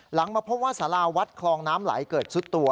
มาพบว่าสาราวัดคลองน้ำไหลเกิดซุดตัว